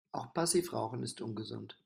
Auch Passivrauchen ist ungesund.